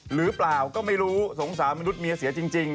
หรือเปล่าก็ไม่รู้สงสารมนุษย์เมียเสียจริง